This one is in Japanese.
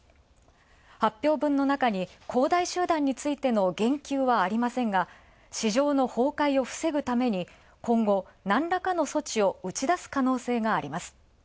発表分のなかに恒大集団についての言及はありませんが市場の崩壊を防ぐために、今後なんらかの措置を打ち出す可能性があります。